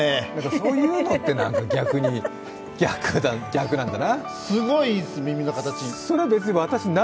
そういうのって、なにか逆なんだな。